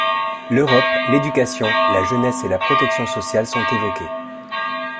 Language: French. L'Europe, l'éducation, la jeunesse et la protection sociale sont évoqués.